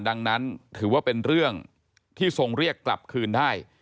ดังนั้นถือว่าเป็นเรื่องที่ทรงเรียกกลับคืนได้